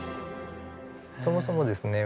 そもそもですね